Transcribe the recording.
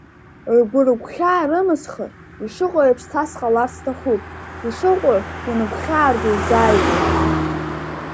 Ргәы-рыгәхьаа рымысхыр, ишыҟоу еиԥш са сҟалар сҭахуп, ишыҟоу ианыгәхьаарго ирзааигәоу.